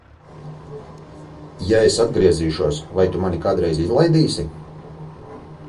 Ja es atgriezīšos, vai tu mani kādreiz izlaidīsi?